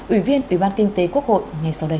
ủy viên ủy ban kinh tế quốc hội ngay sau đây